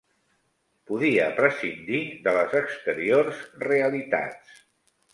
Podia prescindir de les exteriors realitats